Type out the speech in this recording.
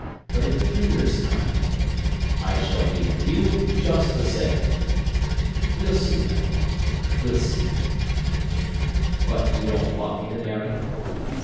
But in three years' time—" "I shall be with you just the same." "We'll see, my boy, we'll see." "But you don't want me to marry?"